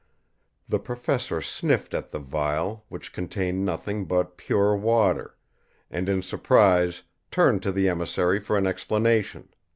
The professor sniffed at the vial, which contained nothing but pure water, and in surprise turned to the emissary for an explanation.